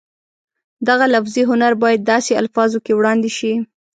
دغه لفظي هنر باید داسې الفاظو کې وړاندې شي